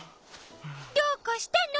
どうかしたの？